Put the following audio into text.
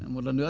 một lần nữa